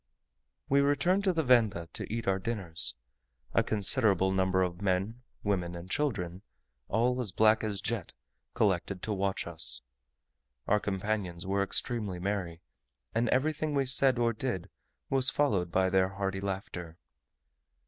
We returned to the Venda to eat our dinners. A considerable number of men, women, and children, all as black as jet, collected to watch us. Our companions were extremely merry; and everything we said or did was followed by their hearty laughter.